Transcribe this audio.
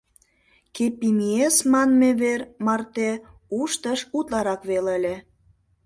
Кеппимиэс манме вер марте уштыш утларак веле ыле.